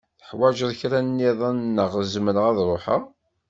Teḥwaǧeḍ kra niḍen neɣ zemreɣ ad ruḥeɣ?